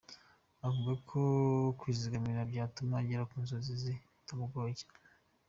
Avuga ko kwizigamira byatumye agera ku nzozi ze bitamugoye cyane.